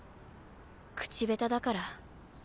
口下手だから。